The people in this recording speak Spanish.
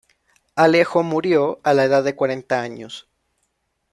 Alejo murió a la edad de cuarenta años.